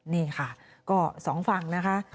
นี่ค่ะก็สองฝั่งนะคะ